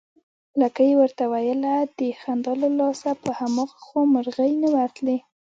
لکۍ يې ورته ويله، د خندا له لاسه په هماغه خوا مرغۍ نه ورتلې